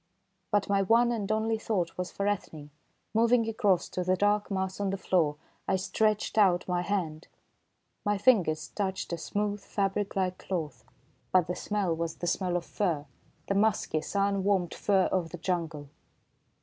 But my one and only thought was for Ethne. Moving across to the dark mass on the floor, I stretched out my hand. My fingers touched a smooth, fabric like cloth, but the smell was the smell of fur, the musky, sun warmed fur of the jungle!